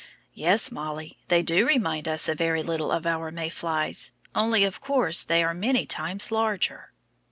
Yes, Mollie, they do remind us a very little of our May flies, only, of course, they are many times larger.